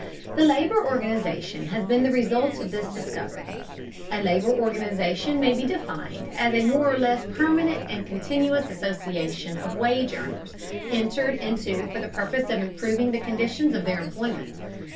The labor organization has been the result of this discovery. A labor organization may be defined as a more or less permanent and continuous association of wage earners, entered into for the purpose of improving the conditions of their employment.